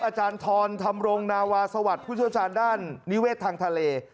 อาจารย์ทรธรรมรงนาวาสวัสดิ์ผู้เชี่ยวชาญด้านนิเวศทางทะเล